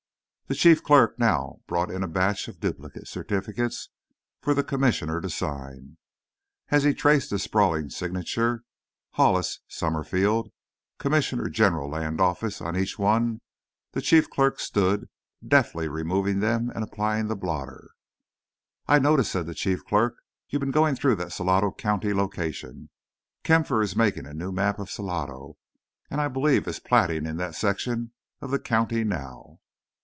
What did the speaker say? The chief clerk now brought in a batch of duplicate certificates for the Commissioner to sign. As he traced his sprawling signature, "Hollis Summerfield, Comr. Genl. Land Office," on each one, the chief clerk stood, deftly removing them and applying the blotter. "I notice," said the chief clerk, "you've been going through that Salado County location. Kampfer is making a new map of Salado, and I believe is platting in that section of the county now."